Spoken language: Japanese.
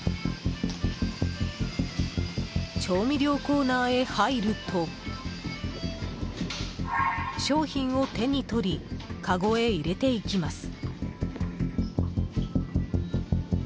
調味料コーナーへ入ると商品を手に取りかごへ入れていきます。